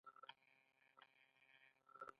سالمن کب د سیند مخالف لوري ته ځي